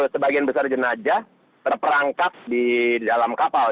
sebagian besar jenajah terperangkap di dalam kapal